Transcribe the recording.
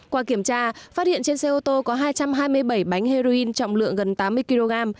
qua kiểm tra phát hiện trên xe ô tô có hai trăm hai mươi bảy bánh heroin trọng lượng gần tám mươi kg